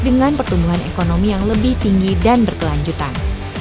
dengan pertumbuhan ekonomi yang lebih tinggi dan berkelanjutan